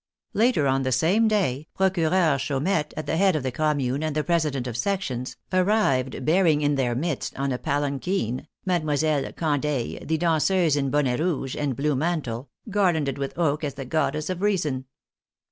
Later on the same day, Procureur Chaumette, at the head of the Commune and the presi dents of sections, arrived bearing in their midst, on a palanquin, Mdlle. Candeille, the danseuse, in bonnet rouge and blue mantle, garlanded with oak as the Goddess of Reason.